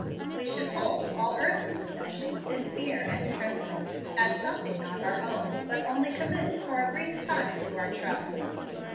We should hold all earthly possessions in fear and trembling, as something not our own, but only committed for a brief time to our trust.